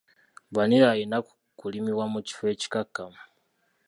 Vanilla alina kulimibwa mu kifo ekikakkamu.